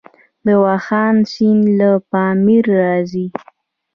د واخان سیند له پامیر راځي